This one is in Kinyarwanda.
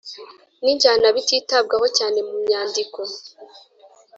n’injyana bititabwaho cyane mu myandiko